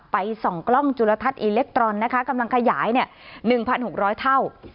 ส่องกล้องจุลทัศอิเล็กตรอนนะคะกำลังขยาย๑๖๐๐เท่า